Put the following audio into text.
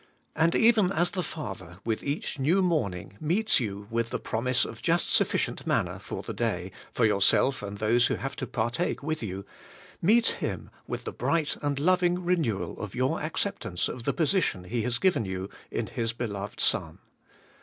And even as the Father, with each new morning, meets you with the promise of just sufficient manna for the day for yourself and those who have to partake with you, meet Him with the bright and loving renewal of your acceptance of the position He has given you in His beloved Son.